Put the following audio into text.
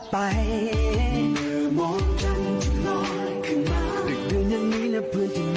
ไปแล้ว